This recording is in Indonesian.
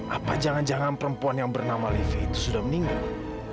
apa jangan jangan perempuan yang bernama livi itu sudah meninggal